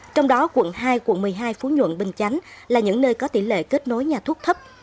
trong đó quận hai quận một mươi hai phú nhuận bình chánh là những nơi có tỷ lệ kết nối nhà thuốc thấp